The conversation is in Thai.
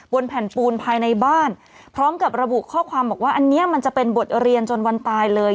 แผ่นปูนภายในบ้านพร้อมกับระบุข้อความบอกว่าอันนี้มันจะเป็นบทเรียนจนวันตายเลย